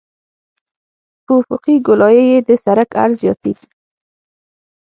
په افقي ګولایي کې د سرک عرض زیاتیږي